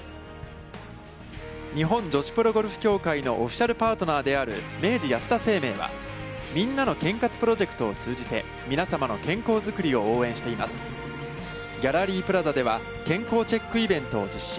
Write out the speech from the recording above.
日本女子プロゴルフ協会のオフィシャルパートナーである明治安田生命は「みんなの健活プロジェクト」を通じて皆様の健康づくりを応援していますギャラリープラザでは、健康チェックイベントを実施。